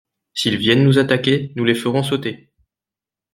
S'ils viennent nous attaquer Nous les ferons sauter.